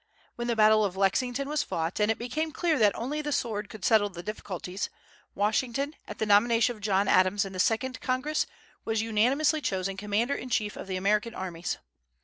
When the battle of Lexington was fought, and it became clear that only the sword could settle the difficulties, Washington, at the nomination of John Adams in the Second Congress, was unanimously chosen commander in chief of the American armies.